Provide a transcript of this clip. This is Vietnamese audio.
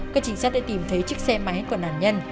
các trinh sát đã tìm thấy chiếc xe máy của nạn nhân